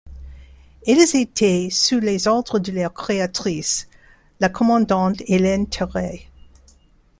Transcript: Elles étaient sous les ordres de leur créatrice, la commandante Hélène Terré.